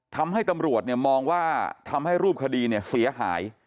ทำให้ตำรวจมองว่าทำให้รูปคดีเนี่ยเสียหาย